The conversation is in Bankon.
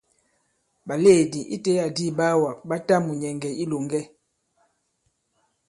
Ɓàlèedì itẽ adi ìɓaawàgà ɓa ta mùnyɛ̀ŋgɛ̀ i ilòŋgɛ.